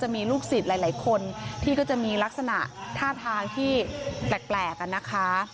มีลูกสิทธิ์หลายคนที่มีลักษณะท่าทางที่แปลก